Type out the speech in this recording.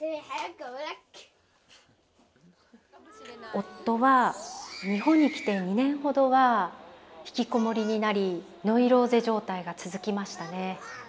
夫は日本に来て２年ほどは引きこもりになりノイローゼ状態が続きましたね。